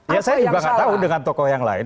ya saya juga nggak tahu dengan tokoh yang lain